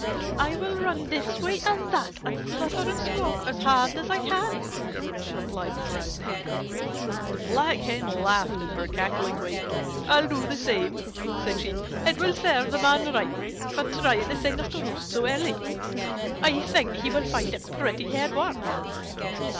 "I will run this way and that, and flutter and squawk as hard as I can," replied the Brown Hen. The Black Hen laughed in her cackling way. "I will do the same," said she. "It will serve the Man right for trying to send us to roost so early. I think he will find it pretty hard work."